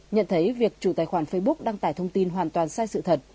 nhận thấy việc chủ tài khoản facebook đăng tải thông tin hoàn toàn sai sự thật